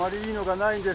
ないんです。